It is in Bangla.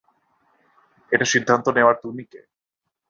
এটা সিদ্ধান্ত নেওয়ার তুমি কে?